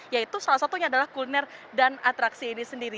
yaitu salah satunya adalah kuliner dan atraksi ini sendiri